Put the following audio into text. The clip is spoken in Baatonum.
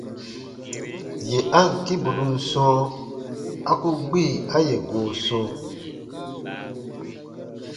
Yè a ǹ kĩ bù nun sɔ̃, a ku gbi a yè goo sɔ̃.